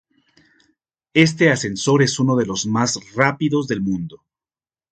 Este ascensor es uno de los más rápidos del mundo.